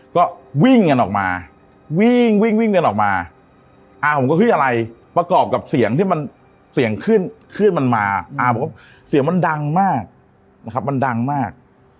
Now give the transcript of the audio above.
ก็วิ่งกันออกมาวิ่งวิ่งวิ่งกันออกมาอาผมก็เฮ้ยอะไรประกอบกับเสียงที่มันเสียงขึ้นขึ้นมันมาอาบอกว่าเสียงมันดังมากนะครับมันดังมาก